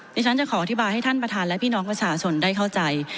ดิฉันจะขออธิบายให้ท่านประธานและพี่น้องประชาชนได้เข้าใจ